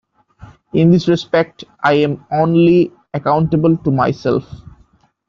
In this respect, I am only accountable to myself.